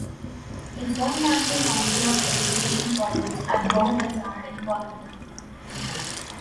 He joined National Council of Education college at Bowbazar in Kolkata.